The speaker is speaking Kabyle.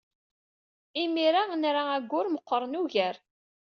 Imir-a, nla ugur meɣɣren ugar.